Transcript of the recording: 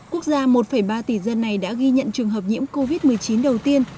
quốc gia một ba tỷ dân này đã ghi nhận trường hợp nhiễm covid một mươi chín đầu tiên